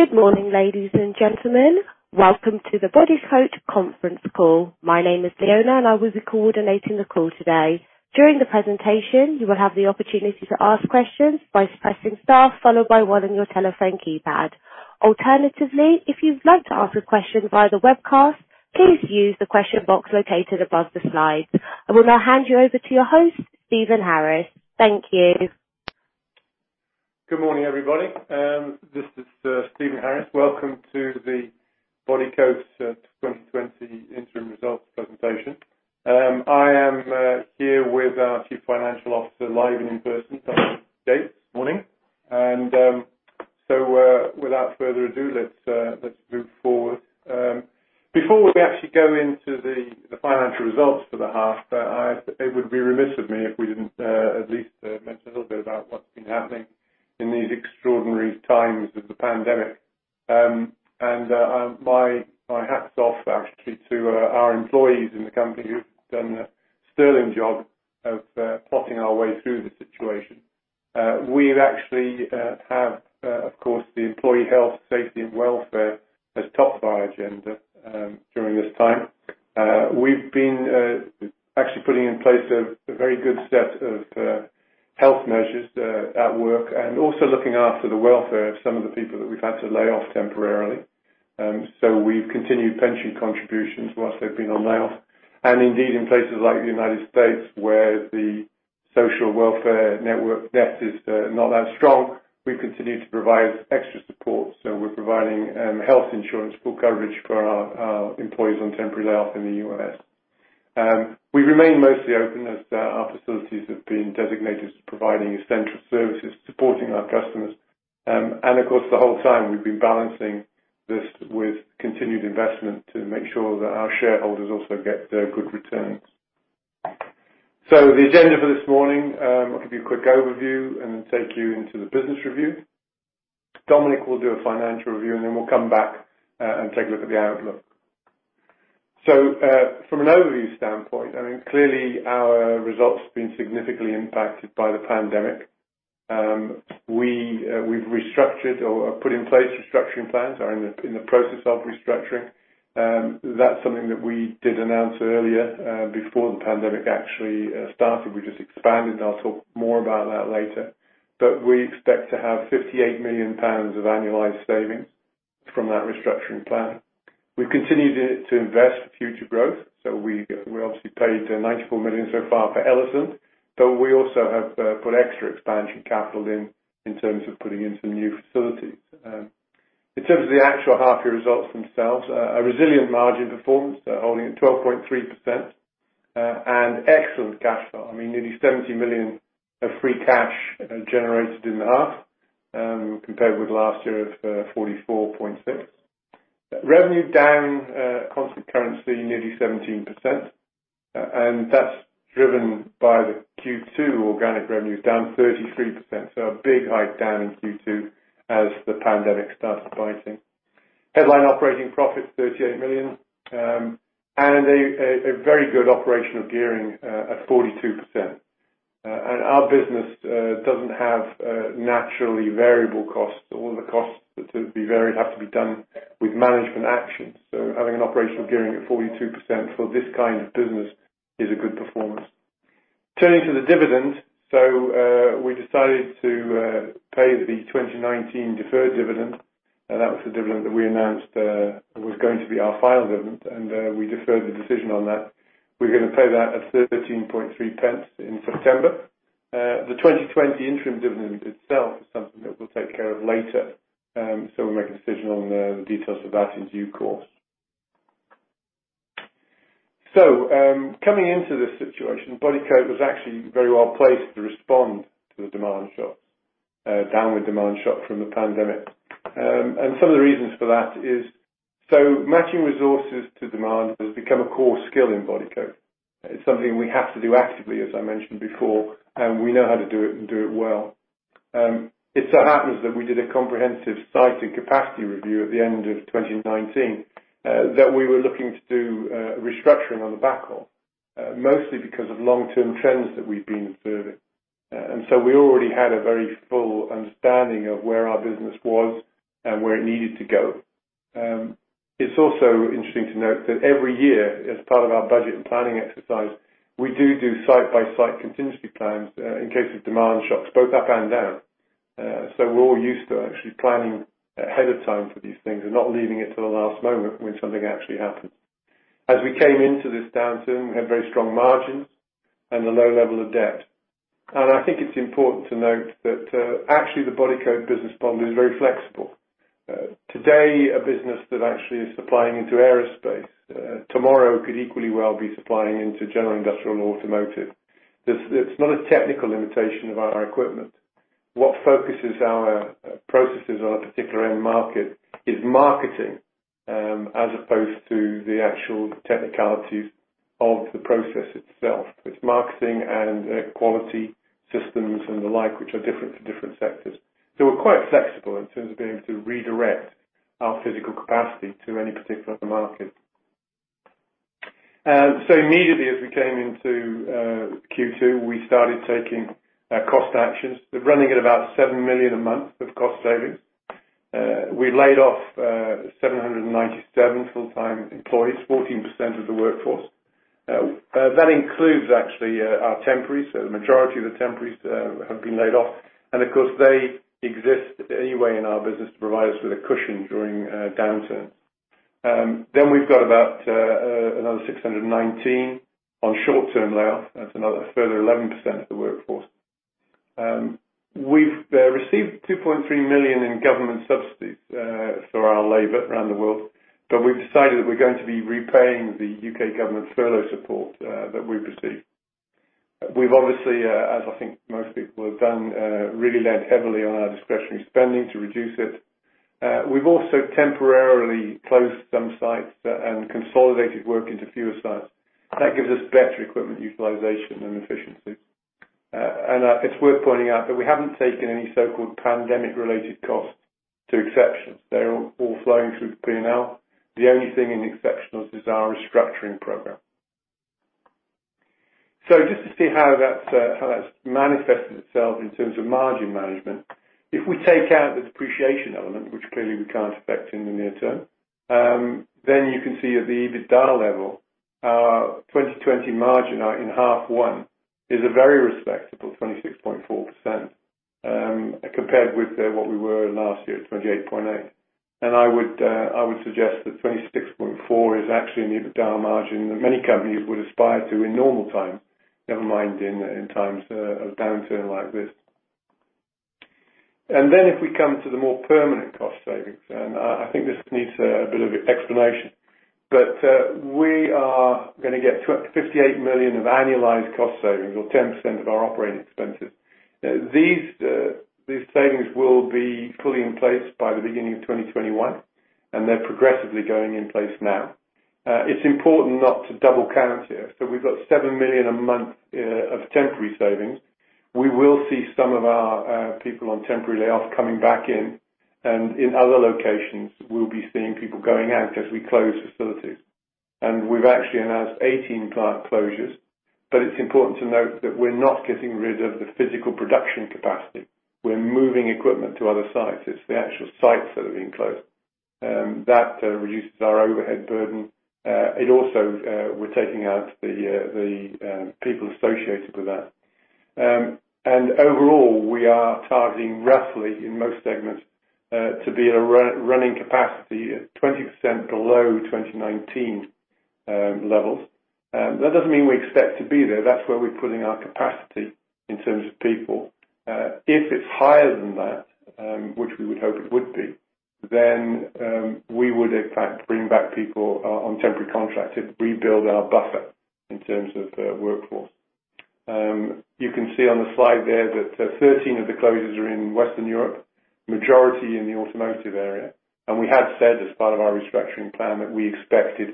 Good morning, ladies and gentlemen. Welcome to the Bodycote conference call. My name is Leona, and I will be coordinating the call today. During the presentation, you will have the opportunity to ask questions by pressing star followed by one on your telephone keypad. Alternatively, if you'd like to ask a question via the webcast, please use the question box located above the slides. I will now hand you over to your host, Stephen Harris. Thank you. Good morning, everybody. This is Stephen Harris. Welcome to the Bodycote 2020 interim results presentation. I am here with our Chief Financial Officer live and in person, Dominique Yates. Morning. So, without further ado, let's move forward. Before we actually go into the financial results for the half, it would be remiss of me if we didn't at least mention a little bit about what's been happening in these extraordinary times of the pandemic. And my hat's off, actually, to our employees in the company who've done the sterling job of plotting our way through the situation. We've actually had, of course, the employee health, safety, and welfare as top of our agenda during this time. We've been actually putting in place a very good set of health measures at work and also looking after the welfare of some of the people that we've had to lay off temporarily. So we've continued pension contributions whilst they've been on layoff. And indeed, in places like the United States where the social welfare net is not that strong, we've continued to provide extra support. So we're providing health insurance, full coverage for our employees on temporary layoff in the U.S. We remain mostly open as our facilities have been designated as providing essential services, supporting our customers. And of course, the whole time, we've been balancing this with continued investment to make sure that our shareholders also get good returns. So the agenda for this morning, I'll give you a quick overview and then take you into the business review. Dominique will do a financial review, and then we'll come back and take a look at the outlook. So, from an overview standpoint, I mean, clearly, our results have been significantly impacted by the pandemic. We, we've restructured or put in place restructuring plans. We are in the process of restructuring. That's something that we did announce earlier, before the pandemic actually started. We just expanded, and I'll talk more about that later. But we expect to have 58 million pounds of annualized savings from that restructuring plan. We've continued to invest for future growth. So we obviously paid 94 million so far for Ellison, but we also have put extra expansion capital in terms of putting in some new facilities. In terms of the actual half-year results themselves, a resilient margin performance, holding at 12.3%, and excellent cash flow. I mean, nearly 70 million of free cash generated in the half, compared with last year of 44.6 million. Revenue down, constant currency, nearly 17%. And that's driven by the Q2 organic revenue, down 33%. So a big hike down in Q2 as the pandemic started biting. Headline operating profit, 38 million. and a very good operational gearing at 42%. And our business doesn't have naturally variable costs. All of the costs that be varied have to be done with management actions. So having an operational gearing at 42% for this kind of business is a good performance. Turning to the dividend, so we decided to pay the 2019 deferred dividend. And that was the dividend that we announced was going to be our final dividend. And we deferred the decision on that. We're gonna pay that at 0.13 in September. The 2020 interim dividend itself is something that we'll take care of later. So we'll make a decision on the details of that in due course. So coming into this situation, Bodycote was actually very well placed to respond to the demand shocks, downward demand shock from the pandemic. And some of the reasons for that is so matching resources to demand has become a core skill in Bodycote. It's something we have to do actively, as I mentioned before, and we know how to do it and do it well. It so happens that we did a comprehensive site and capacity review at the end of 2019, that we were looking to do, restructuring on the backhaul, mostly because of long-term trends that we've been observing. And so we already had a very full understanding of where our business was and where it needed to go. It's also interesting to note that every year, as part of our budget and planning exercise, we do do site-by-site contingency plans, in case of demand shocks, both up and down. So we're all used to actually planning ahead of time for these things and not leaving it to the last moment when something actually happens. As we came into this downturn, we had very strong margins and a low level of debt. I think it's important to note that, actually, the Bodycote business model is very flexible. Today, a business that actually is supplying into aerospace, tomorrow could equally well be supplying into General Industrial or Automotive. There, it's not a technical limitation of our equipment. What focuses our processes on a particular end market is marketing, as opposed to the actual technicalities of the process itself. It's marketing and quality systems and the like, which are different for different sectors. So we're quite flexible in terms of being able to redirect our physical capacity to any particular market. So immediately as we came into Q2, we started taking cost actions. We're running at about 7 million a month of cost savings. We laid off 797 full-time employees, 14% of the workforce. That includes, actually, our temporaries. So the majority of the temporaries have been laid off. And of course, they exist anyway in our business to provide us with a cushion during downturns. Then we've got about another 619 on short-term layoff. That's another further 11% of the workforce. We've received 2.3 million in government subsidies for our labor around the world, but we've decided that we're going to be repaying the U.K. government furlough support that we've received. We've obviously, as I think most people have done, really leaned heavily on our discretionary spending to reduce it. We've also temporarily closed some sites and consolidated work into fewer sites. That gives us better equipment utilization and efficiency. It's worth pointing out that we haven't taken any so-called pandemic-related costs to exceptions. They're all, all flowing through the P&L. The only thing in exceptionals is our restructuring program. So just to see how that's, how that's manifested itself in terms of margin management, if we take out the depreciation element, which clearly we can't affect in the near term, then you can see at the EBITDA level, our 2020 margin, in half one is a very respectable 26.4%, compared with, what we were last year at 28.8%. I would, I would suggest that 26.4% is actually an EBITDA margin that many companies would aspire to in normal times, never mind in, in times, of downturn like this. Then if we come to the more permanent cost savings, and I, I think this needs, a bit of explanation. But we are gonna get 58 million of annualized cost savings or 10% of our operating expenses. These savings will be fully in place by the beginning of 2021, and they're progressively going in place now. It's important not to double count here. So we've got 7 million a month of temporary savings. We will see some of our people on temporary layoff coming back in. And in other locations, we'll be seeing people going out as we close facilities. And we've actually announced 18 plant closures, but it's important to note that we're not getting rid of the physical production capacity. We're moving equipment to other sites. It's the actual sites that are being closed. That reduces our overhead burden. It also, we're taking out the people associated with that. Overall, we are targeting roughly, in most segments, to be at a running capacity at 20% below 2019 levels. That doesn't mean we expect to be there. That's where we're putting our capacity in terms of people. If it's higher than that, which we would hope it would be, then, we would, in fact, bring back people, on temporary contract to rebuild our buffer in terms of, workforce. You can see on the slide there that, 13 of the closures are in Western Europe, majority in the automotive area. We had said, as part of our restructuring plan, that we expected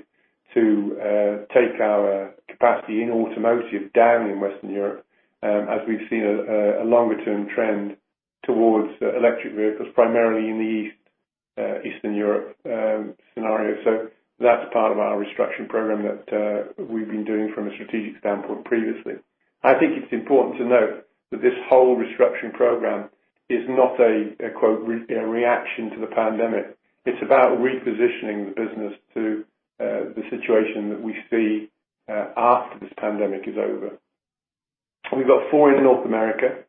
to, take our capacity in automotive down in Western Europe, as we've seen a longer-term trend towards, electric vehicles, primarily in the Eastern Europe scenario. So that's part of our restructuring program that, we've been doing from a strategic standpoint previously. I think it's important to note that this whole restructuring program is not a quote-unquote reaction to the pandemic. It's about repositioning the business to the situation that we see after this pandemic is over. We've got four in North America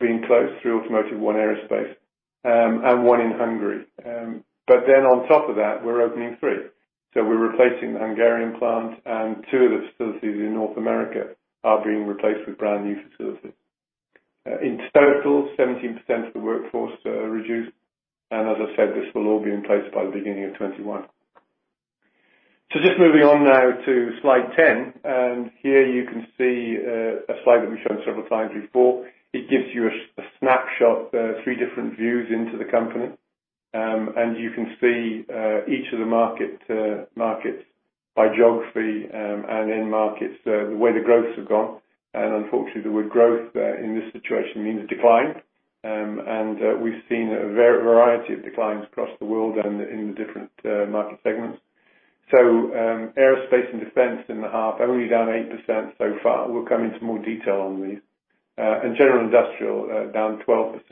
being closed, three automotive, one aerospace, and one in Hungary. But then on top of that, we're opening three. So we're replacing the Hungarian plant, and two of the facilities in North America are being replaced with brand new facilities. In total, 17% of the workforce reduced. And as I said, this will all be in place by the beginning of 2021. So just moving on now to slide 10. And here you can see a slide that we've shown several times before. It gives you a snapshot, three different views into the company. You can see each of the markets by geography and end markets, the way the growths have gone. Unfortunately, the word growth in this situation means decline. We've seen a variety of declines across the world and in the different market segments. So, aerospace and defense in the half only down 8% so far. We'll come into more detail on these. General industrial down 12%.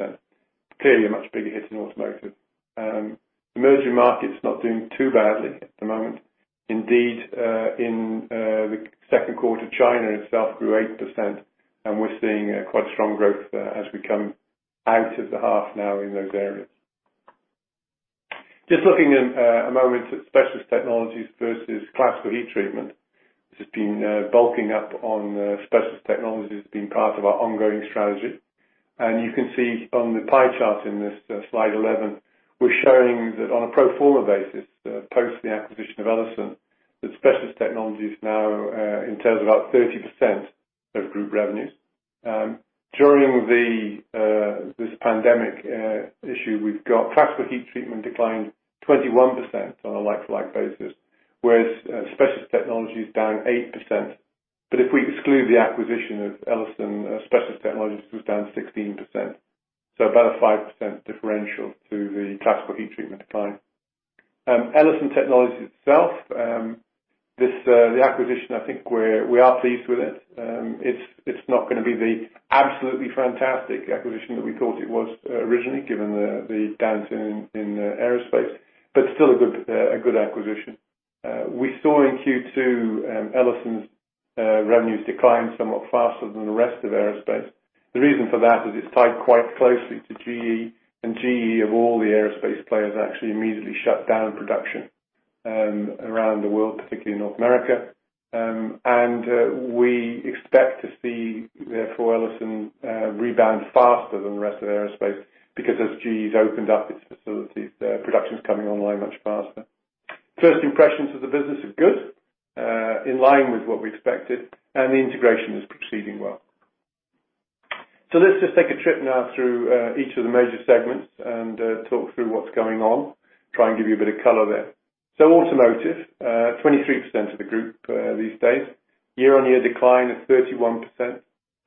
Clearly, a much bigger hit in automotive. Emerging markets not doing too badly at the moment. Indeed, in the second quarter, China itself grew 8%, and we're seeing quite a strong growth as we come out of the half now in those areas. Just looking for a moment at Specialist Technologies versus Classical Heat Treatment. This has been bulking up on Specialist Technologies as being part of our ongoing strategy. And you can see on the pie chart in this, slide 11, we're showing that on a pro forma basis, post the acquisition of Ellison, that Specialist Technology is now, in terms of about 30% of group revenues. During the, this pandemic, issue, we've got Classical Heat Treatment declined 21% on a like-for-like basis, whereas, Specialist Technology is down 8%. But if we exclude the acquisition of Ellison, Specialist Technology was down 16%. So about a 5% differential to the Classical Heat Treatment decline. Ellison Technologies itself, this, the acquisition, I think we are pleased with it. It's not gonna be the absolutely fantastic acquisition that we thought it was, originally, given the, the downturn in, in, aerospace, but still a good, a good acquisition. We saw in Q2, Ellison's, revenues decline somewhat faster than the rest of aerospace. The reason for that is it's tied quite closely to GE. GE, of all the aerospace players, actually immediately shut down production around the world, particularly in North America, and we expect to see, therefore, Ellison rebound faster than the rest of aerospace because as GE's opened up its facilities, their production's coming online much faster. First impressions of the business are good, in line with what we expected, and the integration is proceeding well. So let's just take a trip now through each of the major segments and talk through what's going on, try and give you a bit of color there. Automotive, 23% of the group these days. Year-on-year decline of 31%,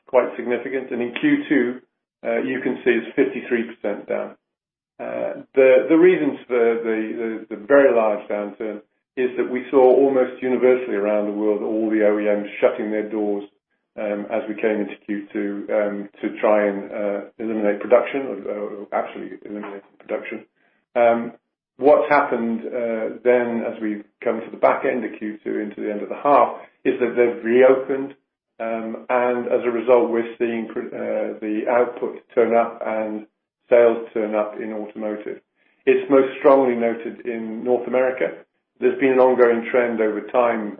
quite significant. In Q2, you can see it's 53% down. The reasons for the very large downturn is that we saw almost universally around the world all the OEMs shutting their doors, as we came into Q2, to try and eliminate production or actually eliminate production. What's happened, then as we've come to the back end of Q2 into the end of the half is that they've reopened. And as a result, we're seeing the output turn up and sales turn up in automotive. It's most strongly noted in North America. There's been an ongoing trend over time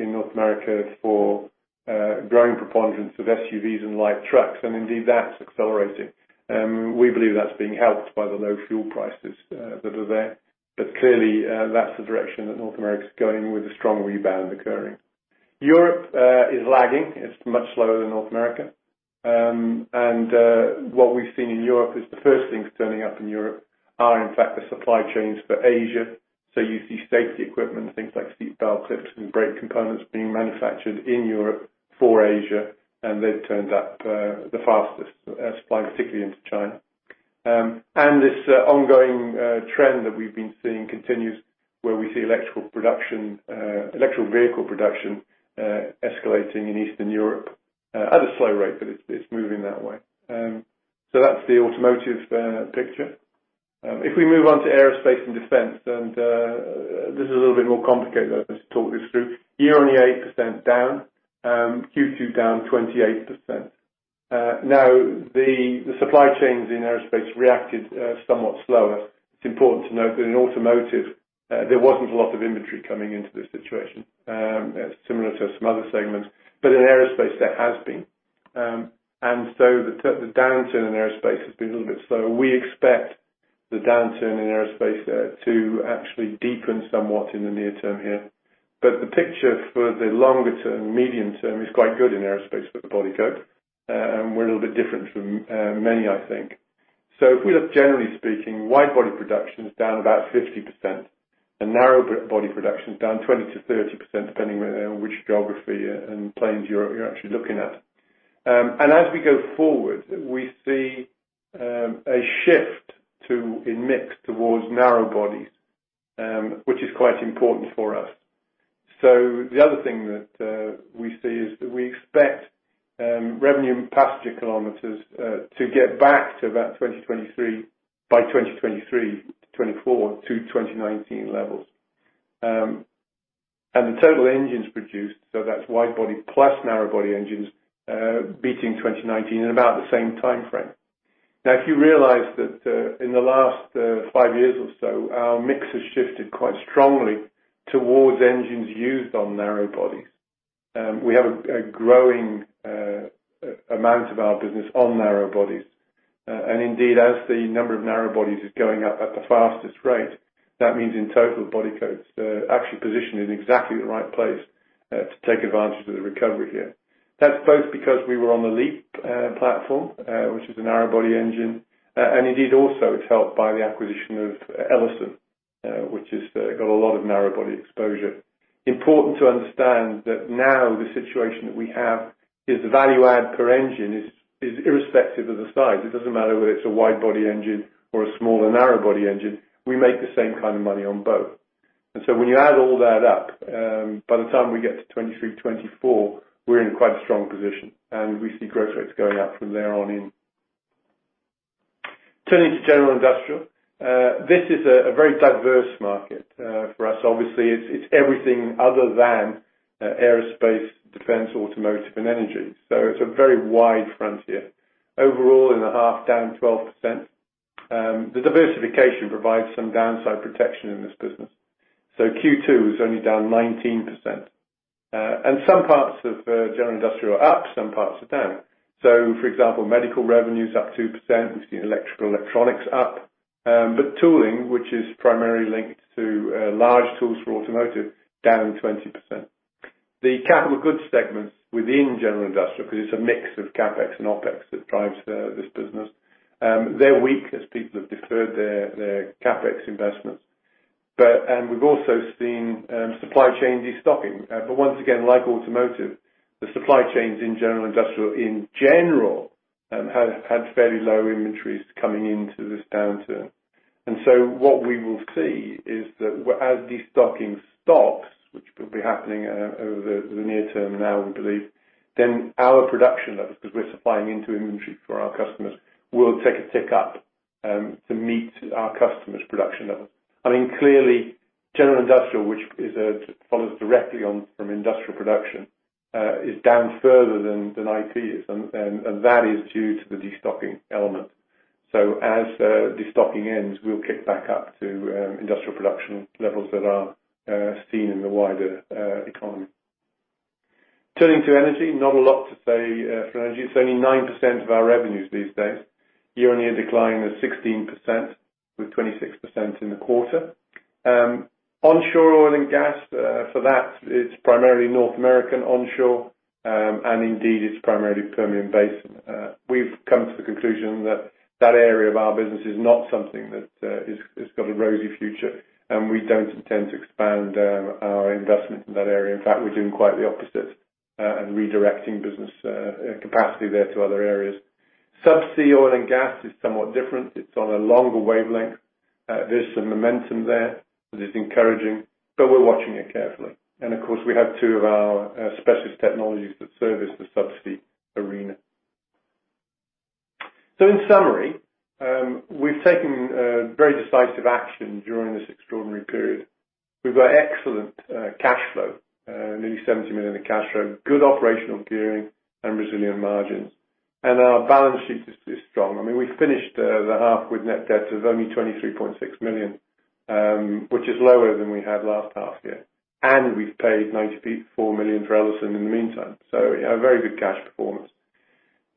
in North America for growing preponderance of SUVs and light trucks. And indeed, that's accelerating. We believe that's being helped by the low fuel prices that are there. But clearly, that's the direction that North America's going with a strong rebound occurring. Europe is lagging. It's much slower than North America. What we've seen in Europe is the first things turning up in Europe are, in fact, the supply chains for Asia. So you see safety equipment, things like seatbelt clips and brake components being manufactured in Europe for Asia, and they've turned up the fastest, supplying particularly into China. And this ongoing trend that we've been seeing continues where we see electric vehicle production escalating in Eastern Europe at a slow rate, but it's moving that way. So that's the automotive picture. If we move on to aerospace and defense, this is a little bit more complicated, though, as I talk this through. Year-on-year, 8% down. Q2 down 28%. Now, the supply chains in aerospace reacted somewhat slower. It's important to note that in automotive, there wasn't a lot of inventory coming into this situation. It's similar to some other segments. But in aerospace, there has been, and so the downturn in aerospace has been a little bit slower. We expect the downturn in aerospace to actually deepen somewhat in the near term here. But the picture for the longer term, medium term, is quite good in aerospace for Bodycote, and we're a little bit different from many, I think. So if we look, generally speaking, wide-body production's down about 50%, and narrow-body production's down 20%-30% depending on which geography and planes you're actually looking at. And as we go forward, we see a shift in mix towards narrow-bodies, which is quite important for us. So the other thing that we see is that we expect Revenue Passenger Kilometers to get back to by 2023-2024 to 2019 levels. And the total engines produced, so that's wide-body plus narrow-body engines, beating 2019 in about the same timeframe. Now, if you realize that, in the last five years or so, our mix has shifted quite strongly towards engines used on narrow-bodies. We have a growing amount of our business on narrow-bodies. And indeed, as the number of narrow-bodies is going up at the fastest rate, that means in total, Bodycote's actually positioned in exactly the right place to take advantage of the recovery here. That's both because we were on the LEAP platform, which is a narrow-body engine, and indeed also, it's helped by the acquisition of Ellison, which has got a lot of narrow-body exposure. Important to understand that now the situation that we have is the value add per engine is irrespective of the size. It doesn't matter whether it's a wide-body engine or a smaller narrow-body engine. We make the same kind of money on both. And so when you add all that up, by the time we get to 2023, 2024, we're in quite a strong position, and we see growth rates going up from there on in. Turning to General Industrial, this is a very diverse market for us. Obviously, it's everything other than aerospace, defense, automotive, and energy. So it's a very wide front here. Overall, in the half, down 12%. The diversification provides some downside protection in this business. So Q2 was only down 19%. And some parts of General Industrial are up. Some parts are down. So for example, medical revenue's up 2%. We've seen electrical electronics up, but tooling, which is primarily linked to large tools for automotive, down 20%. The capital goods segments within general industrial 'cause it's a mix of CapEx and OpEx that drives this business, they're weak as people have deferred their CapEx investments. But we've also seen supply chains destocking. But once again, like automotive, the supply chains in general industrial in general have fairly low inventories coming into this downturn. And so what we will see is that as destocking stops, which will be happening over the near term now, we believe, then our production levels 'cause we're supplying into inventory for our customers will take a tick up to meet our customers' production levels. I mean, clearly, general industrial, which follows directly on from industrial production, is down further than AGI is. And that is due to the destocking element. So as destocking ends, we'll kick back up to industrial production levels that are seen in the wider economy. Turning to energy, not a lot to say for energy. It's only 9% of our revenues these days. Year-on-year decline of 16% with 26% in the quarter. Onshore oil and gas, for that, it's primarily North American onshore. And indeed, it's primarily Permian Basin. We've come to the conclusion that that area of our business is not something that is got a rosy future, and we don't intend to expand our investment in that area. In fact, we're doing quite the opposite, and redirecting business capacity there to other areas. Subsea oil and gas is somewhat different. It's on a longer wavelength. There's some momentum there that is encouraging, but we're watching it carefully. And of course, we have two of our Specialist Technologies that service the subsea arena. So in summary, we've taken very decisive action during this extraordinary period. We've got excellent cash flow, nearly 70 million in cash flow, good operational gearing, and resilient margins. And our balance sheet is strong. I mean, we finished the half with net debt of only 23.6 million, which is lower than we had last half year. And we've paid 94 million for Ellison in the meantime. So we have a very good cash performance.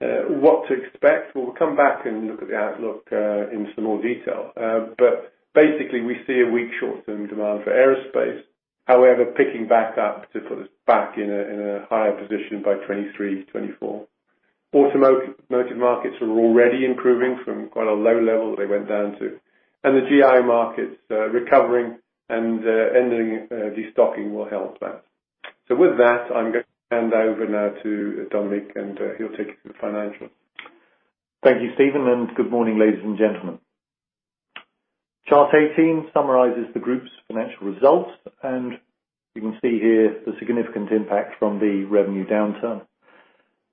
What to expect? Well, we'll come back and look at the outlook in some more detail. But basically, we see a weak short-term demand for aerospace, however, picking back up to put us back in a higher position by 2023, 2024. Automotive markets are already improving from quite a low level that they went down to. And the GI markets, recovering and ending destocking will help that. So with that, I'm gonna hand over now to Dominique, and he'll take you to the financials. Thank you, Stephen, and good morning, ladies and gentlemen. Chart 18 summarizes the group's financial results, and you can see here the significant impact from the revenue downturn.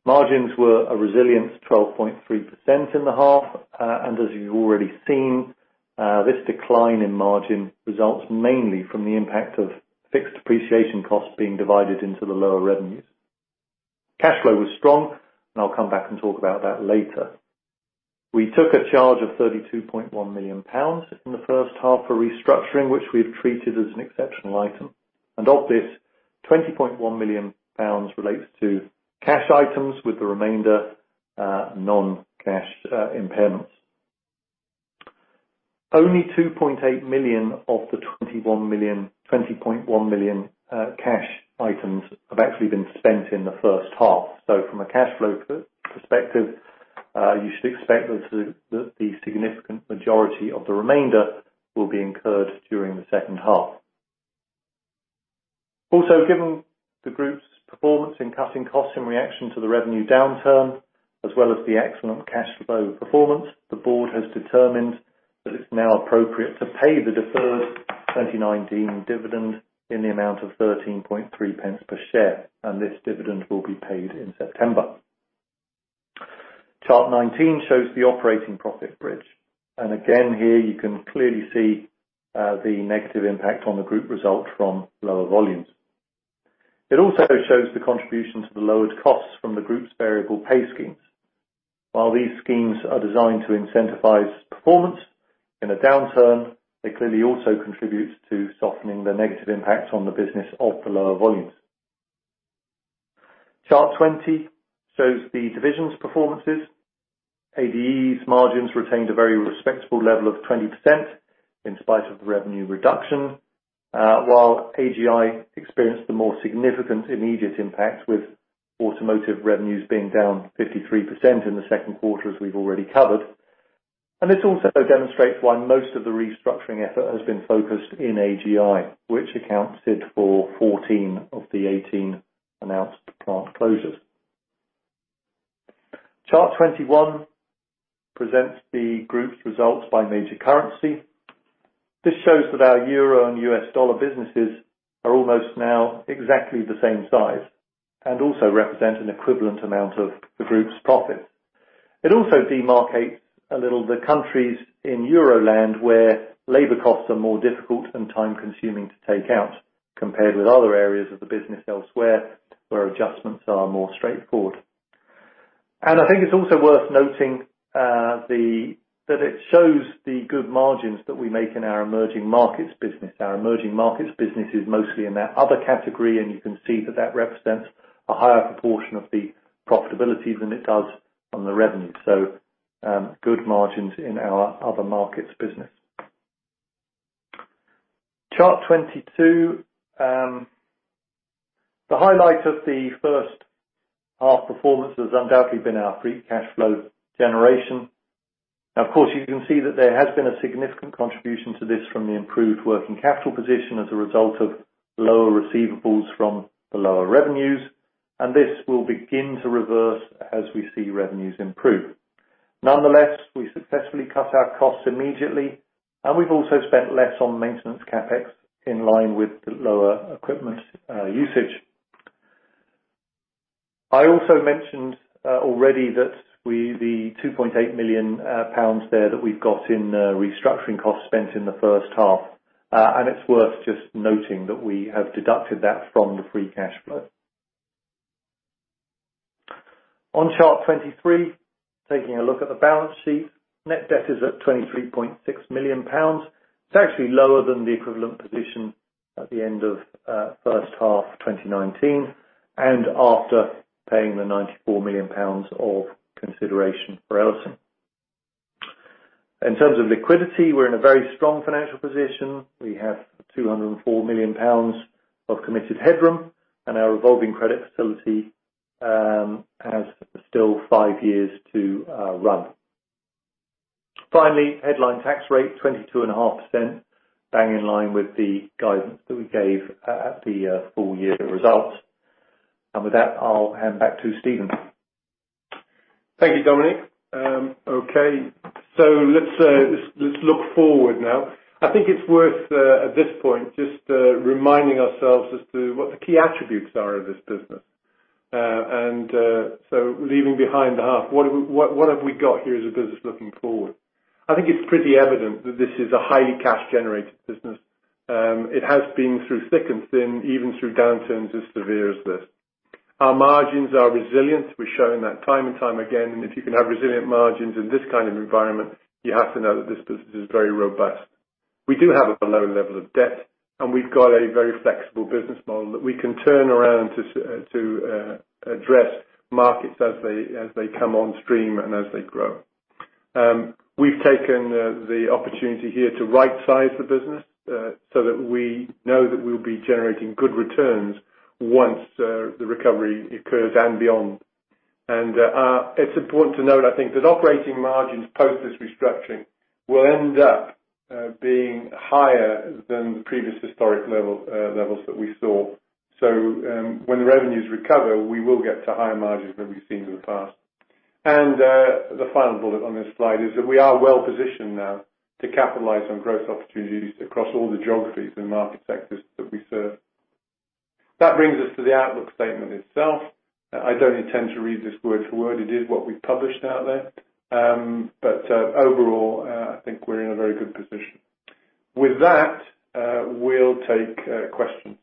Margins were a resilient 12.3% in the half, and as you've already seen, this decline in margin results mainly from the impact of fixed depreciation costs being divided into the lower revenues. Cash flow was strong, and I'll come back and talk about that later. We took a charge of 32.1 million pounds in the first half for restructuring, which we've treated as an exceptional item. And of this, 20.1 million pounds relates to cash items with the remainder, non-cash, impairments. Only 2.8 million of the 20.1 million cash items have actually been spent in the first half. So from a cash flow perspective, you should expect that the significant majority of the remainder will be incurred during the second half. Also, given the group's performance in cutting costs in reaction to the revenue downturn, as well as the excellent cash flow performance, the board has determined that it's now appropriate to pay the deferred 2019 dividend in the amount of 13.3 pence per share. This dividend will be paid in September. Chart 19 shows the operating profit bridge. And again, here, you can clearly see the negative impact on the group result from lower volumes. It also shows the contribution to the lowered costs from the group's variable pay schemes. While these schemes are designed to incentivize performance in a downturn, they clearly also contribute to softening the negative impact on the business of the lower volumes. Chart 20 shows the division's performances. ADE's margins retained a very respectable level of 20% in spite of the revenue reduction, while AGI experienced the more significant immediate impact with automotive revenues being down 53% in the second quarter, as we've already covered. This also demonstrates why most of the restructuring effort has been focused in AGI, which accounted for 14 of the 18 announced plant closures. Chart 21 presents the group's results by major currency. This shows that our euro and U.S. dollar businesses are almost now exactly the same size and also represent an equivalent amount of the group's profits. It also demarcates a little the countries in Euroland where labor costs are more difficult and time-consuming to take out compared with other areas of the business elsewhere where adjustments are more straightforward. And I think it's also worth noting that it shows the good margins that we make in our emerging markets business. Our emerging markets business is mostly in that other category, and you can see that that represents a higher proportion of the profitability than it does on the revenue. So, good margins in our other markets business. Chart 22, the highlight of the first half performance has undoubtedly been our free cash flow generation. Now, of course, you can see that there has been a significant contribution to this from the improved working capital position as a result of lower receivables from the lower revenues. And this will begin to reverse as we see revenues improve. Nonetheless, we successfully cut our costs immediately, and we've also spent less on maintenance CapEx in line with the lower equipment usage. I also mentioned already that we've the 2.8 million pounds there that we've got in restructuring costs spent in the first half, and it's worth just noting that we have deducted that from the free cash flow. On chart 23, taking a look at the balance sheet, net debt is at 23.6 million pounds. It's actually lower than the equivalent position at the end of first half 2019 and after paying the 94 million pounds of consideration for Ellison. In terms of liquidity, we're in a very strong financial position. We have 204 million pounds of committed headroom, and our revolving credit facility has still five years to run. Finally, headline tax rate 22.5%, bang in line with the guidance that we gave at the full year results. And with that, I'll hand back to Stephen. Thank you, Dominique. Okay. So let's, let's, let's look forward now. I think it's worth, at this point, just, reminding ourselves as to what the key attributes are of this business. So leaving behind the half, what have we what, what have we got here as a business looking forward? I think it's pretty evident that this is a highly cash-generated business. It has been through thick and thin, even through downturns as severe as this. Our margins are resilient. We're showing that time and time again. And if you can have resilient margins in this kind of environment, you have to know that this business is very robust. We do have a low level of debt, and we've got a very flexible business model that we can turn around to suit to, address markets as they as they come on stream and as they grow. We've taken the opportunity here to right-size the business, so that we know that we'll be generating good returns once the recovery occurs and beyond. And it's important to note, I think, that operating margins post this restructuring will end up being higher than the previous historic level, levels that we saw. So, when the revenues recover, we will get to higher margins than we've seen in the past. And the final bullet on this slide is that we are well positioned now to capitalize on growth opportunities across all the geographies and market sectors that we serve. That brings us to the outlook statement itself. I don't intend to read this word for word. It is what we've published out there. But overall, I think we're in a very good position. With that, we'll take questions.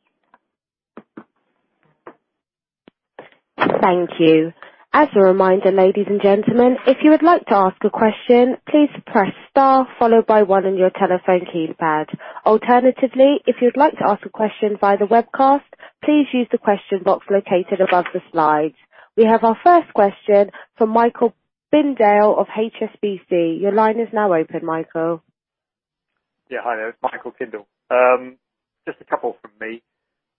Thank you. As a reminder, ladies and gentlemen, if you would like to ask a question, please press star followed by one on your telephone keypad. Alternatively, if you would like to ask a question via the webcast, please use the question box located above the slides. We have our first question from Michael Tyndall of HSBC. Your line is now open, Michael. Yeah, hi. This is Michael Tyndall. Just a couple from me.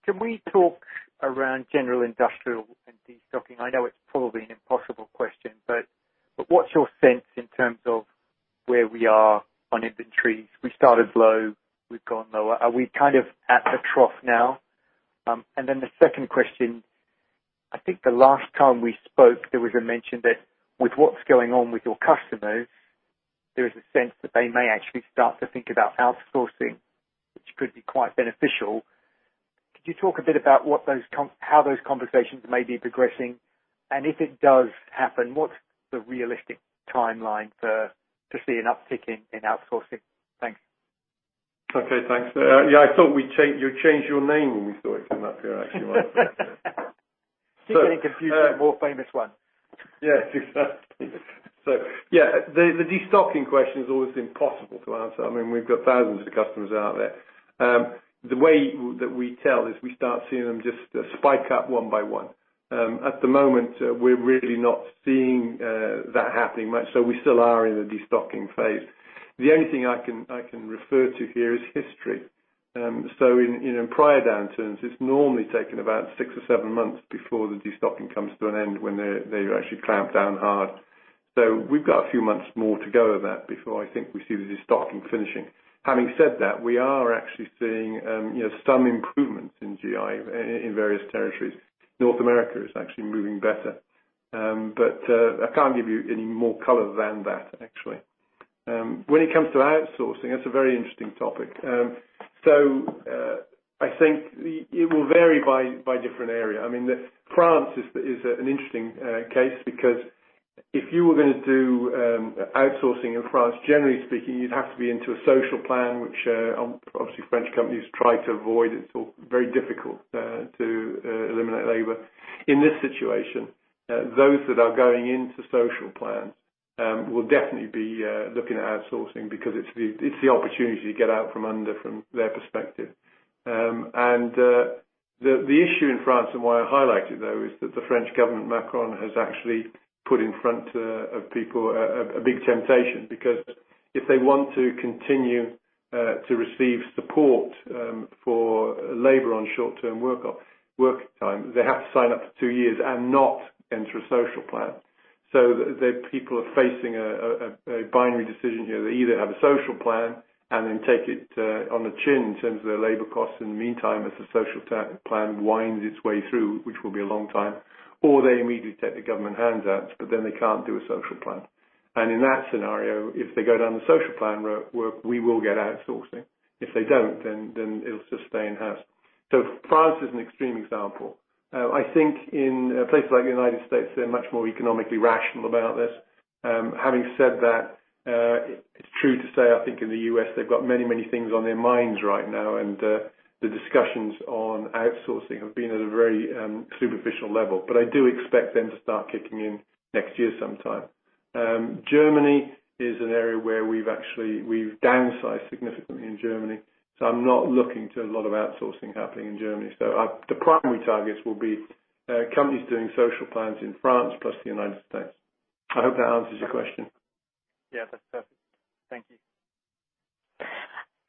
Can we talk around general industrial and destocking? I know it's probably an impossible question, but what's your sense in terms of where we are on inventories? We started low. We've gone lower. Are we kind of at the trough now? Then the second question, I think the last time we spoke, there was a mention that with what's going on with your customers, there is a sense that they may actually start to think about outsourcing, which could be quite beneficial. Could you talk a bit about what those, how those conversations may be progressing? And if it does happen, what's the realistic timeline for to see an uptick in outsourcing? Thanks. Okay. Thanks. Yeah, I thought you changed your name when we saw it come up here, actually, while I was there. So. Getting confused with the more famous one. Yeah, exactly. So yeah, the destocking question's always impossible to answer. I mean, we've got thousands of customers out there. The way that we tell is we start seeing them just spike up one by one. At the moment, we're really not seeing that happening much, so we still are in the destocking phase. The only thing I can refer to here is history. So in, you know, in prior downturns, it's normally taken about six or seven months before the destocking comes to an end when they actually clamp down hard. So we've got a few months more to go of that before I think we see the destocking finishing. Having said that, we are actually seeing, you know, some improvements in GI in various territories. North America is actually moving better. But I can't give you any more color than that, actually. When it comes to outsourcing, that's a very interesting topic. So, I think it will vary by different area. I mean, France is an interesting case because if you were gonna do outsourcing in France, generally speaking, you'd have to enter into a social plan, which, obviously, French companies try to avoid. It's all very difficult to eliminate labor. In this situation, those that are going into social plans will definitely be looking at outsourcing because it's the opportunity to get out from under it from their perspective. The issue in France and why I highlight it, though, is that the French government, Macron, has actually put in front of people a big temptation because if they want to continue to receive support for labor on short-term work off work time, they have to sign up for two years and not enter a social plan. So the people are facing a binary decision here. They either have a social plan and then take it on the chin in terms of their labor costs in the meantime as the social plan winds its way through, which will be a long time, or they immediately take the government handouts, but then they can't do a social plan. And in that scenario, if they go down the social plan route, we will get outsourcing. If they don't, then, then it'll just stay in-house. So France is an extreme example. I think in places like the United States, they're much more economically rational about this. Having said that, it's true to say, I think, in the U.S., they've got many, many things on their minds right now, and the discussions on outsourcing have been at a very superficial level. But I do expect them to start kicking in next year sometime. Germany is an area where we've actually downsized significantly in Germany. So I'm not looking to a lot of outsourcing happening in Germany. So the primary targets will be companies doing social plans in France plus the United States. I hope that answers your question. Yeah, that's perfect. Thank you.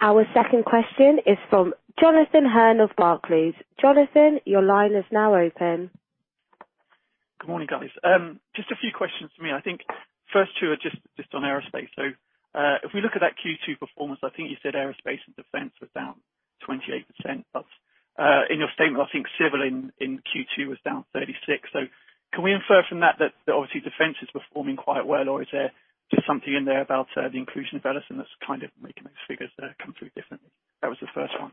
Our second question is from Jonathan Hurn of Barclays. Jonathan, your line is now open. Good morning, guys. Just a few questions for me. I think first two are just, just on aerospace. So, if we look at that Q2 performance, I think you said aerospace and defense was down 28%. But, in your statement, I think civil in, in Q2 was down 36%. So can we infer from that that, that obviously, defense is performing quite well, or is there just something in there about, the inclusion of Ellison that's kind of making those figures, come through differently? That was the first one.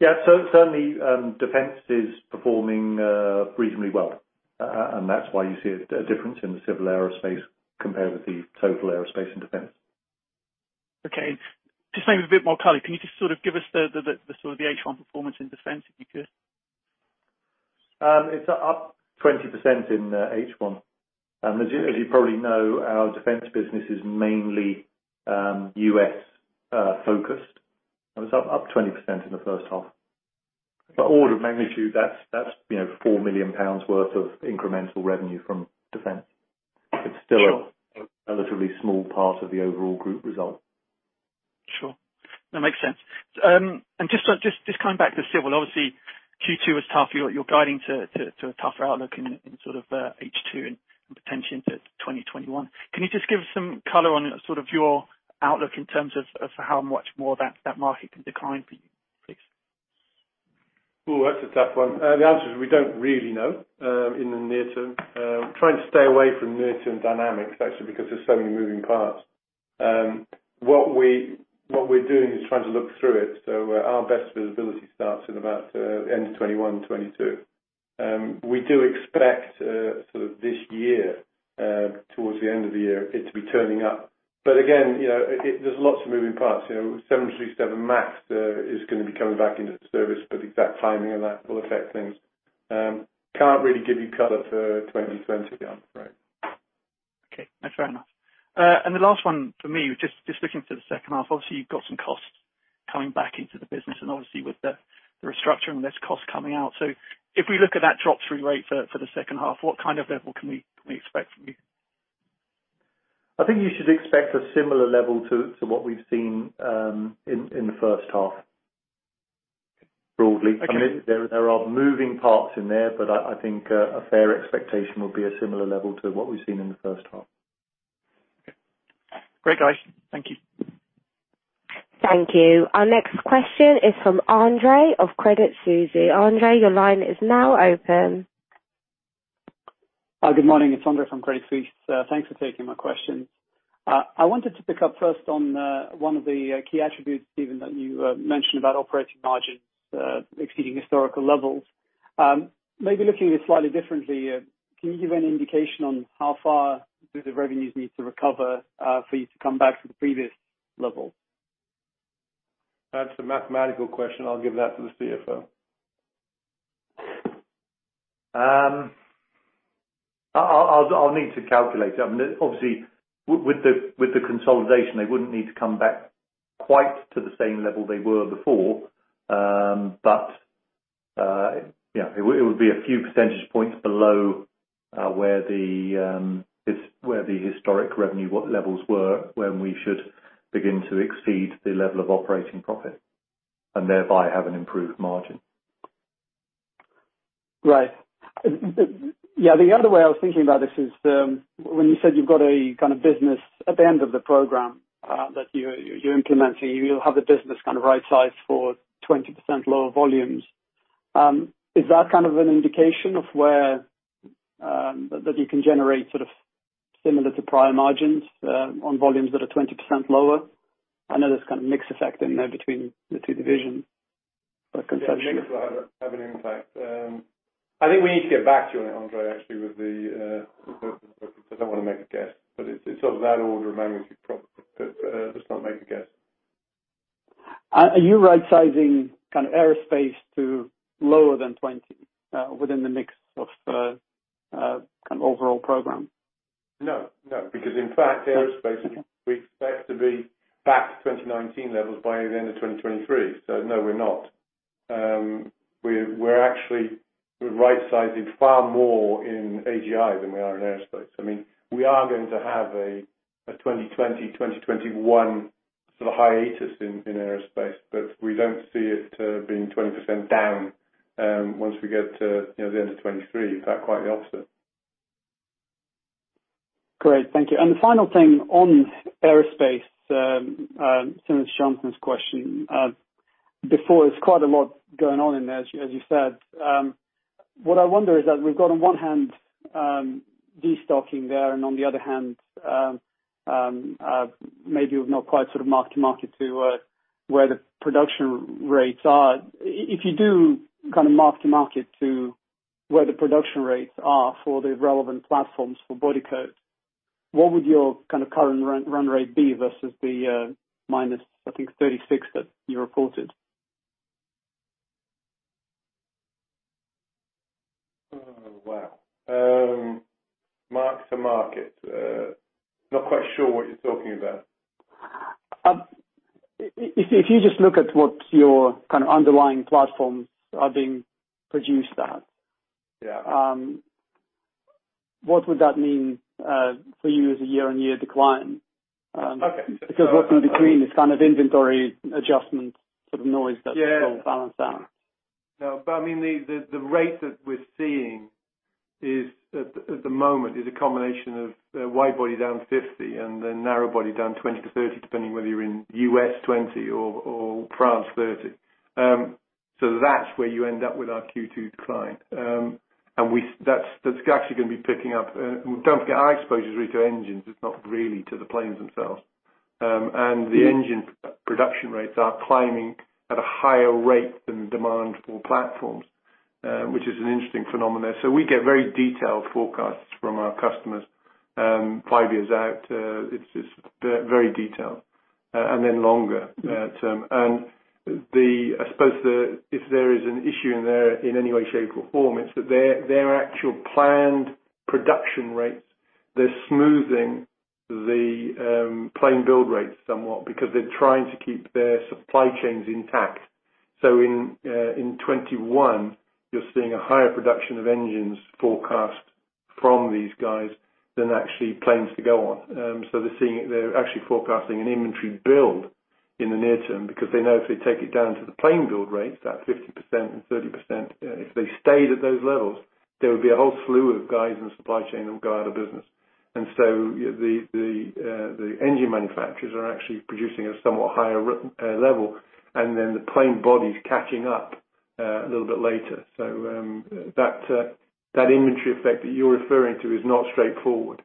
Yeah, so certainly, defense is performing reasonably well. And that's why you see a difference in the civil aerospace compared with the total aerospace and defense. Okay. Just maybe a bit more color. Can you just sort of give us the sort of H1 performance in defense, if you could? It's up 20% in H1. As you probably know, our defense business is mainly U.S. focused. It's up 20% in the first half. Okay. By order of magnitude, that's, you know, 4 million pounds worth of incremental revenue from defense. It's still a. Sure. A relatively small part of the overall group result. Sure. That makes sense. Just coming back to civil, obviously, Q2 was tough. You're guiding to a tougher outlook in sort of H2 and potentially into 2021. Can you just give us some color on sort of your outlook in terms of how much more that market can decline for you, please? Ooh, that's a tough one. The answer is we don't really know, in the near term. Trying to stay away from near-term dynamics, actually, because there's so many moving parts. What we what we're doing is trying to look through it. So, our best visibility starts in about, end of 2021, 2022. We do expect, sort of this year, towards the end of the year, it to be turning up. But again, you know, it, it there's lots of moving parts. You know, 737 MAX is gonna be coming back into service, but the exact timing of that will affect things. Can't really give you color for 2020, I'm afraid. Okay. That's fair enough. And the last one for me was just, just looking for the second half. Obviously, you've got some costs coming back into the business, and obviously, with the, the restructuring, there's costs coming out. So if we look at that drop-through rate for, for the second half, what kind of level can we, can we expect from you? I think you should expect a similar level to what we've seen in the first half broadly. Okay. I mean, there are moving parts in there, but I think, a fair expectation would be a similar level to what we've seen in the first half. Okay. Great, guys. Thank you. Thank you. Our next question is from Andre of Credit Suisse. Andre, your line is now open. Hi, good morning. It's Andre from Credit Suisse. Thanks for taking my questions. I wanted to pick up first on one of the key attributes, Stephen, that you mentioned about operating margins exceeding historical levels. Maybe looking at it slightly differently, can you give any indication on how far the revenues need to recover for you to come back to the previous level? That's a mathematical question. I'll give that to the CFO. I'll need to calculate it. I mean, obviously, with the consolidation, they wouldn't need to come back quite to the same level they were before. But yeah, it would be a few percentage points below where the historic revenue levels were when we should begin to exceed the level of operating profit and thereby have an improved margin. Right. Yeah, the other way I was thinking about this is, when you said you've got a kind of business at the end of the program, that you're, you're implementing, you'll have the business kind of right-sized for 20% lower volumes. Is that kind of an indication of where, that, that you can generate sort of similar to prior margins, on volumes that are 20% lower? I know there's kind of mixed effect in there between the two divisions, but conceptually. Yeah, it makes a lot of have an impact. I think we need to get back to you on it, Andre, actually, with the, I don't wanna make a guess, but it's, it's of that order of magnitude probably. But, let's not make a guess. Are you right-sizing kind of aerospace to lower than 20%, within the mix of, kind of overall program? No, no, because in fact, aerospace. Okay. We expect to be back to 2019 levels by the end of 2023. So no, we're not. We're actually right-sizing far more in AGI than we are in aerospace. I mean, we are going to have a 2020, 2021 sort of hiatus in aerospace, but we don't see it being 20% down, once we get to, you know, the end of 2023. In fact, quite the opposite. Great. Thank you. And the final thing on aerospace, Jonathan's question, before, there's quite a lot going on in there, as you said. What I wonder is that we've got on one hand, destocking there and on the other hand, maybe not quite sort of mark-to-market to where the production rates are. If you do kind of mark-to-market to where the production rates are for the relevant platforms for Bodycote, what would your kind of current run rate be versus the minus, I think, 36% that you reported? Oh, wow. Mark to market, not quite sure what you're talking about. If you just look at what your kind of underlying platforms are being produced at. Yeah. What would that mean, for you as a year-on-year decline? Okay. Because what's in between is kind of inventory adjustment sort of noise that. Yeah. It will balance out. No, but I mean, the rate that we're seeing at the moment is a combination of wide-body down 50% and then narrow-body down 20%-30% depending whether you're in U.S. 20% or France 30%. So that's where you end up with our Q2 decline. And that's actually gonna be picking up, and don't forget, our exposure is really to engines. It's not really to the planes themselves. And the engine. Okay. Pre-production rates are climbing at a higher rate than demand for platforms, which is an interesting phenomenon. So we get very detailed forecasts from our customers, five years out. It's, it's very, very detailed, and then longer. Yeah. term. And I suppose if there is an issue in there in any way, shape, or form, it's that their actual planned production rates, they're smoothing the plane build rates somewhat because they're trying to keep their supply chains intact. So in 2021, you're seeing a higher production of engines forecast from these guys than actually planes to go on. So they're actually forecasting an inventory build in the near term because they know if they take it down to the plane build rates, that 50% and 30%, if they stayed at those levels, there would be a whole slew of guys in the supply chain that would go out of business. And so, you know, the engine manufacturers are actually producing at a somewhat higher rate level, and then the plane body's catching up a little bit later. That inventory effect that you're referring to is not straightforward.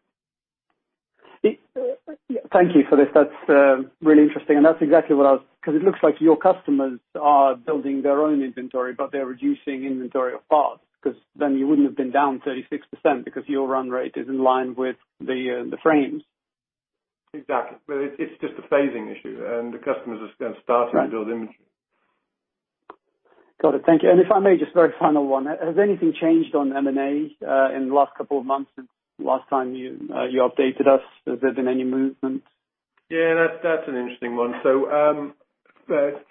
Yeah, thank you for this. That's really interesting. And that's exactly what I was 'cause it looks like your customers are building their own inventory, but they're reducing inventory of parts 'cause then you wouldn't have been down 36% because your run rate is in line with the frames. Exactly. Well, it's just a phasing issue, and the customers are starting to build inventory. Right. Got it. Thank you. And if I may, just very final one. Has anything changed on M&A, in the last couple of months since last time you, you updated us? Has there been any movement? Yeah, that's an interesting one. So,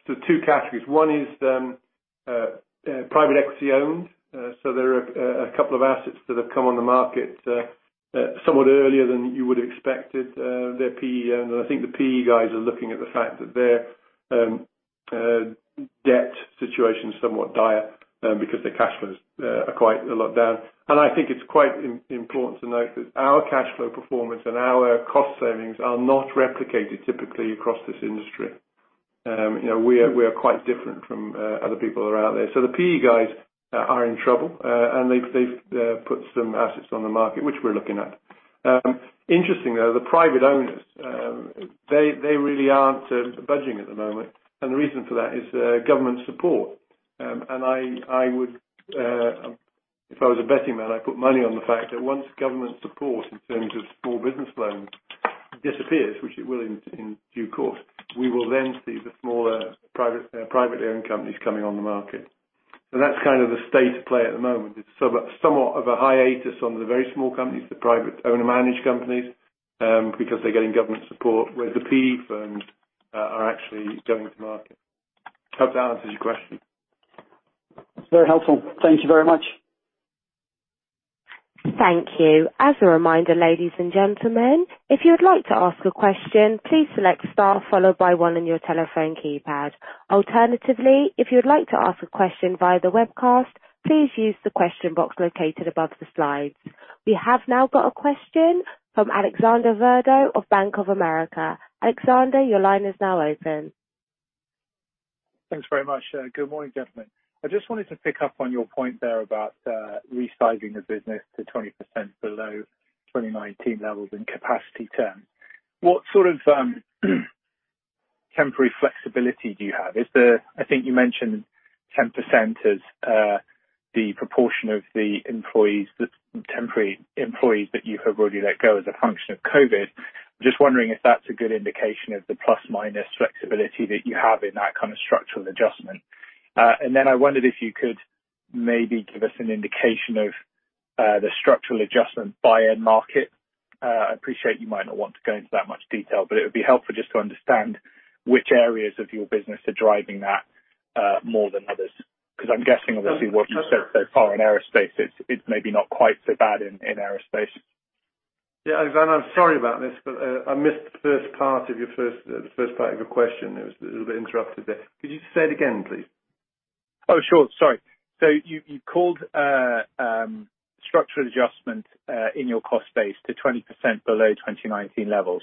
two categories. One is private equity-owned. So there are a couple of assets that have come on the market, somewhat earlier than you would have expected. They're PE-owned. And I think the PE guys are looking at the fact that their debt situation's somewhat dire, because their cash flows are quite a lot down. And I think it's quite important to note that our cash flow performance and our cost savings are not replicated typically across this industry. You know, we are quite different from other people that are out there. So the PE guys are in trouble, and they've put some assets on the market, which we're looking at. Interestingly, the private owners really aren't budging at the moment. And the reason for that is government support. And I would, if I was a betting man, I'd put money on the fact that once government support in terms of small business loans disappears, which it will in due course, we will then see the smaller private-owned companies coming on the market. So that's kind of the state of play at the moment. It's somewhat of a hiatus on the very small companies, the private owner-managed companies, because they're getting government support, whereas the PE firms are actually going to market. Hope that answers your question. Very helpful. Thank you very much. Thank you. As a reminder, ladies and gentlemen, if you would like to ask a question, please select star followed by one on your telephone keypad. Alternatively, if you would like to ask a question via the webcast, please use the question box located above the slides. We have now got a question from Alexander Virgo of Bank of America. Alexander, your line is now open. Thanks very much. Good morning, gentlemen. I just wanted to pick up on your point there about resizing the business to 20% below 2019 levels in capacity terms. What sort of temporary flexibility do you have? Is there, I think you mentioned 10% as the proportion of the employees that temporary employees that you have already let go as a function of COVID. I'm just wondering if that's a good indication of the plus-minus flexibility that you have in that kind of structural adjustment. And then I wondered if you could maybe give us an indication of the structural adjustment by end market. I appreciate you might not want to go into that much detail, but it would be helpful just to understand which areas of your business are driving that more than others 'cause I'm guessing, obviously. Yeah. What you've said so far in aerospace, it's maybe not quite so bad in aerospace. Yeah, Alexander, I'm sorry about this, but I missed the first part of your question. It was a little bit interrupted there. Could you say it again, please? Oh, sure. Sorry. So you called structural adjustment in your cost base to 20% below 2019 levels.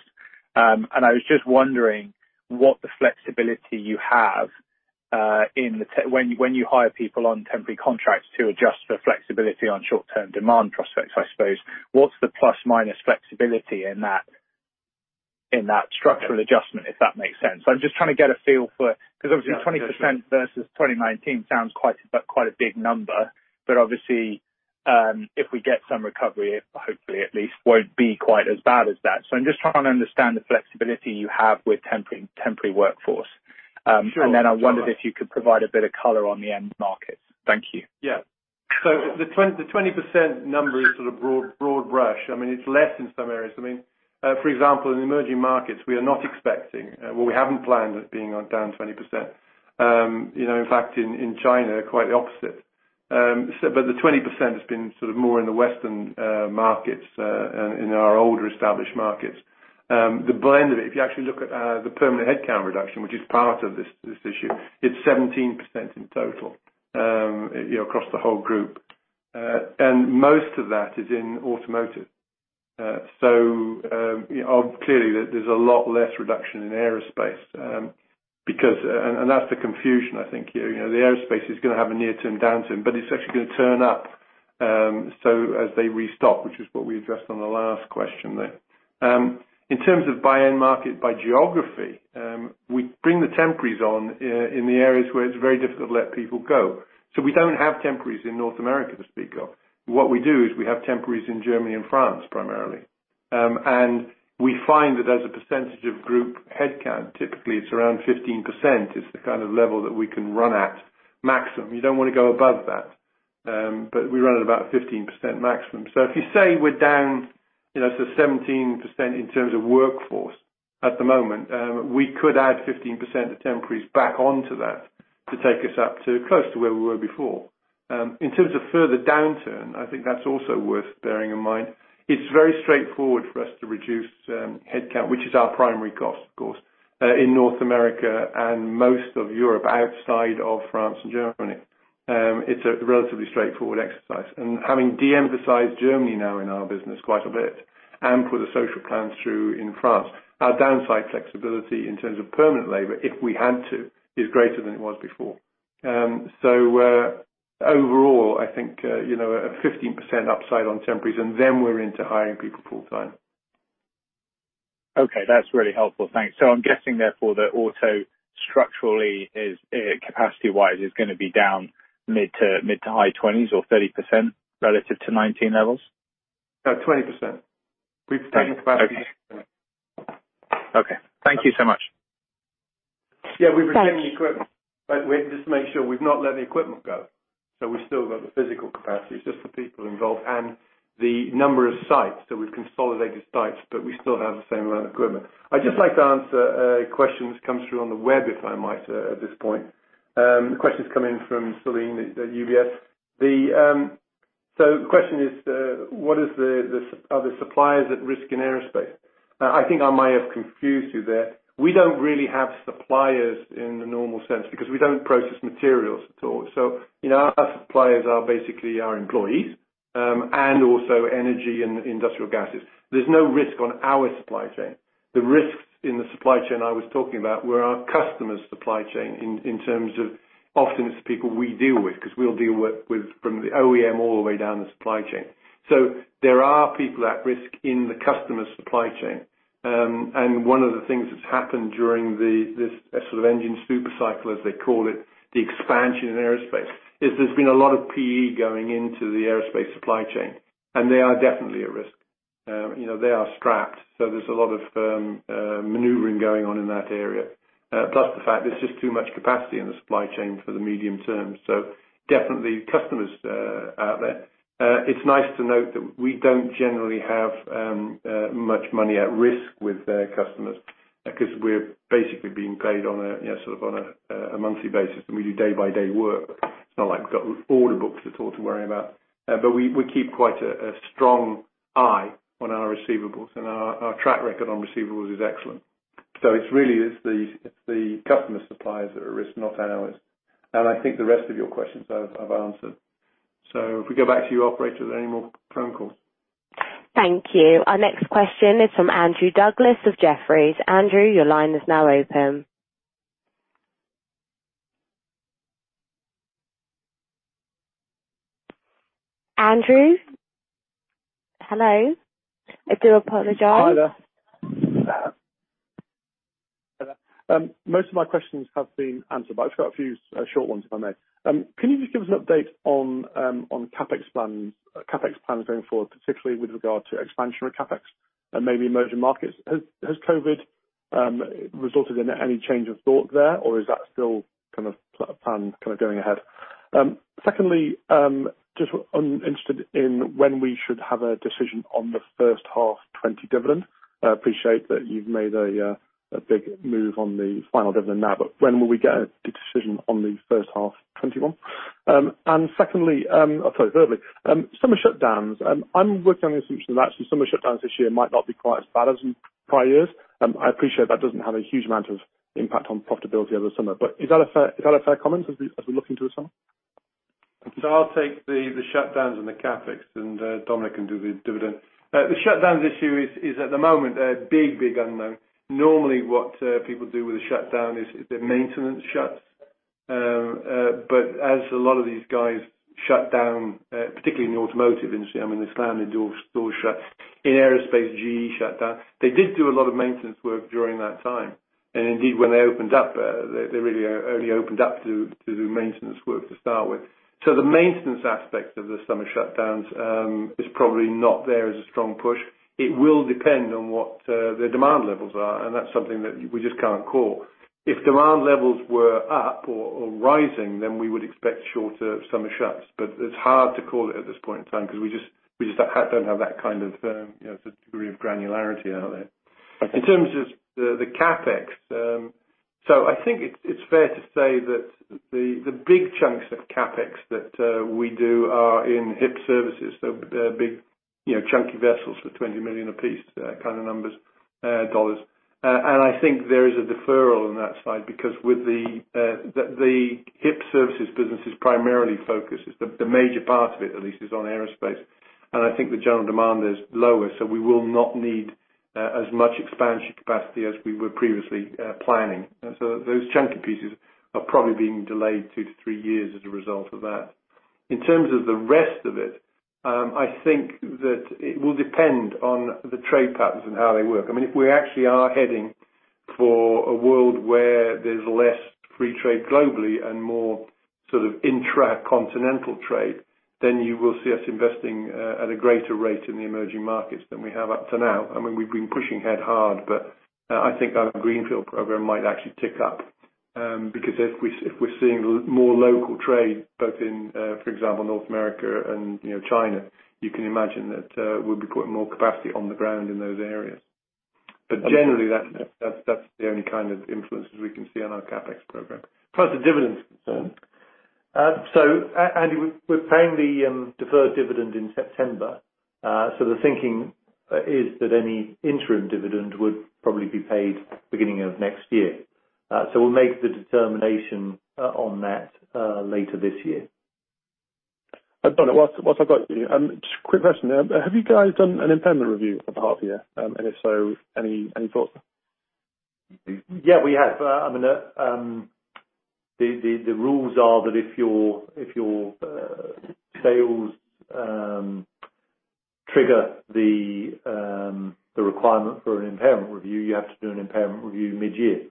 I was just wondering what the flexibility you have in the team when you hire people on temporary contracts to adjust for flexibility on short-term demand prospects, I suppose. What's the plus-minus flexibility in that structural adjustment, if that makes sense. I'm just trying to get a feel for 'cause obviously. Yeah. 20% versus 2019 sounds quite a big number, but obviously, if we get some recovery, it hopefully, at least, won't be quite as bad as that. So I'm just trying to understand the flexibility you have with temporary workforce. Sure. I wondered if you could provide a bit of color on the end markets. Thank you. Yeah. So the 20% number is sort of broad brush. I mean, it's less in some areas. I mean, for example, in emerging markets, we are not expecting, well, we haven't planned it being down 20%. You know, in fact, in China, quite the opposite. So but the 20% has been sort of more in the Western markets, and in our older established markets. The blend of it, if you actually look at the permanent headcount reduction, which is part of this issue, it's 17% in total, you know, across the whole group. And most of that is in automotive. So, you know, obviously clearly, there's a lot less reduction in aerospace, and that's the confusion, I think, here. You know, the aerospace is gonna have a near-term downturn, but it's actually gonna turn up, so as they restock, which is what we addressed on the last question there. In terms of buy-in market by geography, we bring the temporaries on, in the areas where it's very difficult to let people go. So we don't have temporaries in North America to speak of. What we do is we have temporaries in Germany and France primarily. And we find that as a percentage of group headcount, typically, it's around 15% is the kind of level that we can run at maximum. You don't wanna go above that. But we run at about 15% maximum. So if you say we're down, you know, so 17% in terms of workforce at the moment, we could add 15% of temporaries back onto that to take us up to close to where we were before. In terms of further downturn, I think that's also worth bearing in mind. It's very straightforward for us to reduce headcount, which is our primary cost, of course, in North America and most of Europe outside of France and Germany. It's a relatively straightforward exercise. And having de-emphasized Germany now in our business quite a bit and put the social plans through in France, our downside flexibility in terms of permanent labor, if we had to, is greater than it was before. So, overall, I think, you know, a 15% upside on temporaries, and then we're into hiring people full-time. Okay. That's really helpful. Thanks. So I'm guessing, therefore, that auto structurally is, capacity-wise, is gonna be down mid- to mid- to high-20s% or 30% relative to 2019 levels? 20%. We've taken. Okay. Capacity. Okay. Thank you so much. Yeah, we've retained the equipment. But we're just to make sure, we've not let the equipment go, so we still got the physical capacity. It's just the people involved and the number of sites. So we've consolidated sites, but we still have the same amount of equipment. I'd just like to answer a question that's come through on the web, if I might, at this point. The question's come in from Céline at UBS. So the question is, what are the suppliers at risk in aerospace? I think I might have confused you there. We don't really have suppliers in the normal sense because we don't process materials at all. So, you know, our suppliers are basically our employees, and also energy and industrial gases. There's no risk on our supply chain. The risks in the supply chain I was talking about were our customer's supply chain in terms of often, it's the people we deal with 'cause we'll deal with from the OEM all the way down the supply chain. So there are people at risk in the customer's supply chain. One of the things that's happened during this sort of engine supercycle, as they call it, the expansion in aerospace, is there's been a lot of PE going into the aerospace supply chain, and they are definitely at risk. You know, they are strapped, so there's a lot of maneuvering going on in that area, plus the fact there's just too much capacity in the supply chain for the medium term. So definitely, customers out there. It's nice to note that we don't generally have much money at risk with customers 'cause we're basically being paid on a, you know, sort of on a monthly basis, and we do day-by-day work. It's not like we've got order books at all to worry about. But we keep quite a strong eye on our receivables, and our track record on receivables is excellent. So it's really the customer suppliers that are at risk, not ours. And I think the rest of your questions I've answered. So if we go back to you, operator, are there any more phone calls? Thank you. Our next question is from Andrew Douglas of Jefferies. Andrew, your line is now open. Andrew? Hello? I do apologize. Hi there. Most of my questions have been answered, but I've just got a few short ones, if I may. Can you just give us an update on CapEx plans going forward, particularly with regard to expansion of CapEx and maybe emerging markets? Has COVID resulted in any change of thought there, or is that still kind of a plan kind of going ahead? Secondly, just wondering when we should have a decision on the first half 2020 dividend. I appreciate that you've made a big move on the final dividend now, but when will we get a decision on the first half 2021? And secondly, oh, sorry, thirdly. Summer shutdowns. I'm working on the assumption that, actually, summer shutdowns this year might not be quite as bad as in prior years. I appreciate that doesn't have a huge amount of impact on profitability over the summer, but is that a fair comment as we're looking to the summer? Thank you. So I'll take the shutdowns and the CapEx, and Dominique can do the dividend. The shutdowns issue is at the moment a big, big unknown. Normally, people do with a shutdown is their maintenance shuts. But as a lot of these guys shut down, particularly in the automotive industry - I mean, they slammed their doors shut - in aerospace, GE shut down, they did do a lot of maintenance work during that time. And indeed, when they opened up, they really only opened up to do maintenance work to start with. So the maintenance aspect of the summer shutdowns is probably not there as a strong push. It will depend on their demand levels are, and that's something that we just can't call. If demand levels were up or rising, then we would expect shorter summer shuts, but it's hard to call it at this point in time 'cause we just don't have that kind of, you know, the degree of granularity out there. Okay. In terms of the CapEx, so I think it's fair to say that the big chunks of CapEx that we do are in HIP services, so, big, you know, chunky vessels for $20 million apiece, kind of numbers, dollars. And I think there is a deferral on that side because with the HIP services business is primarily focused, the major part of it, at least, is on aerospace. And I think the general demand is lower, so we will not need as much expansion capacity as we were previously planning. And so those chunky pieces are probably being delayed two to three years as a result of that. In terms of the rest of it, I think that it will depend on the trade patterns and how they work. I mean, if we actually are heading for a world where there's less free trade globally and more sort of intracontinental trade, then you will see us investing at a greater rate in the emerging markets than we have up to now. I mean, we've been pushing ahead hard, but I think our greenfield program might actually tick up, because if we're seeing more local trade both in, for example, North America and, you know, China, you can imagine that we'll be putting more capacity on the ground in those areas. But generally, that's the only kind of influences we can see on our CapEx program. As far as the dividend's concerned, so, Andrew, we're paying the deferred dividend in September. So the thinking is that any interim dividend would probably be paid beginning of next year. We'll make the determination on that later this year. Dominique, while I've got you, just a quick question. Have you guys done an impairment review over the half a year? And if so, any thoughts? Yeah, we have. I mean, the rules are that if your sales trigger the requirement for an impairment review, you have to do an impairment review mid-year.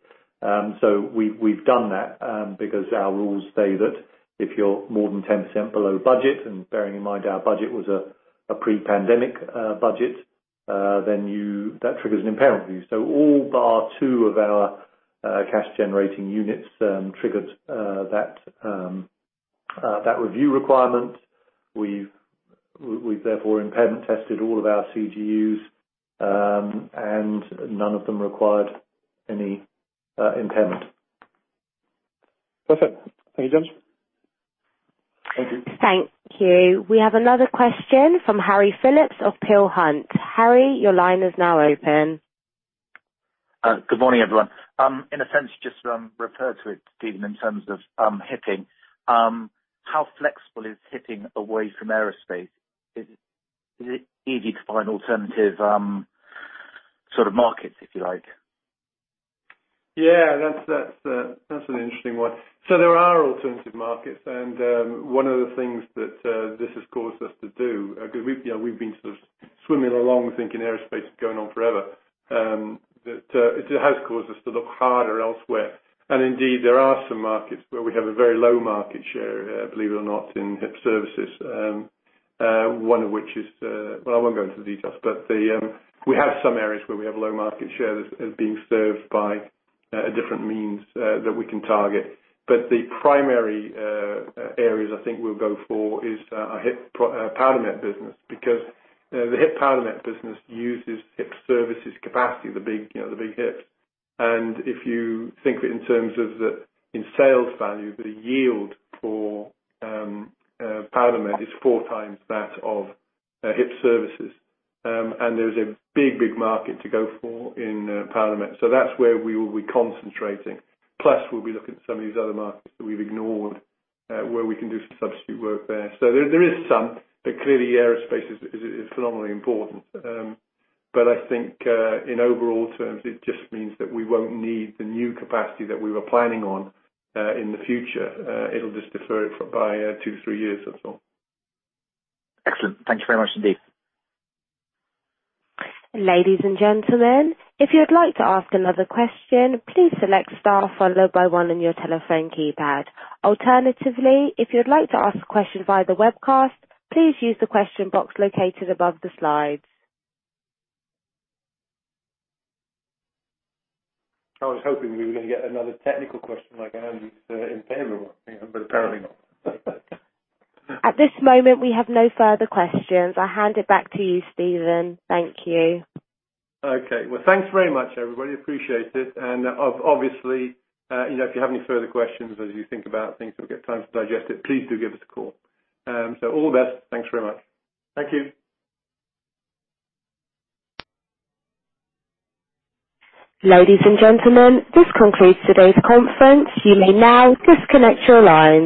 So we've done that, because our rules say that if you're more than 10% below budget - and bearing in mind our budget was a pre-pandemic budget - then that triggers an impairment review. So all bar two of our cash-generating units triggered that review requirement. We've therefore impairment tested all of our CGUs, and none of them required any impairment. Perfect. Thank you, guys. Thank you. Thank you. We have another question from Harry Philips of Peel Hunt. Harry, your line is now open. Good morning, everyone. In a sense, just refer to it, Stephen, in terms of HIPing. How flexible is HIPing away from aerospace? Is it easy to find alternative, sort of markets, if you like? Yeah, that's an interesting one. So there are alternative markets, and one of the things that this has caused us to do, 'cause we've, you know, we've been sort of swimming along thinking aerospace is going on forever, that it has caused us to look harder elsewhere. And indeed, there are some markets where we have a very low market share, believe it or not, in HIP services, one of which is, well, I won't go into the details, but we have some areas where we have a low market share that's being served by a different means that we can target. But the primary areas I think we'll go for is our HIP Powdermet business because the HIP Powdermet business uses HIP services capacity, the big, you know, the big HIPs. If you think of it in terms of that in sales value, the yield for Powdermet is four times that of HIP services. And there's a big, big market to go for in Powdermet. So that's where we will be concentrating, plus we'll be looking at some of these other markets that we've ignored, where we can do some substitute work there. So there is some, but clearly, aerospace is phenomenally important. But I think, in overall terms, it just means that we won't need the new capacity that we were planning on in the future. It'll just defer it for by two to three years, that's all. Excellent. Thank you very much, indeed. Ladies and gentlemen, if you'd like to ask another question, please select star followed by one on your telephone keypad. Alternatively, if you'd like to ask a question via the webcast, please use the question box located above the slides. I was hoping we were gonna get another technical question like Andrew's, impairment one, you know, but apparently not. At this moment, we have no further questions. I'll hand it back to you, Stephen. Thank you. Okay. Well, thanks very much, everybody. Appreciate it. And, obviously, you know, if you have any further questions as you think about things or get time to digest it, please do give us a call. So all the best. Thanks very much. Thank you. Ladies and gentlemen, this concludes today's conference. You may now disconnect your lines.